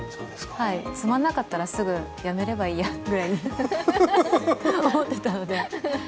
つまらなかったら、すぐ辞めればいいよと思ってたので。